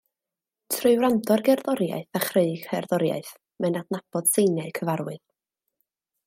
Trwy wrando ar gerddoriaeth a chreu cerddoriaeth, mae'n adnabod seiniau cyfarwydd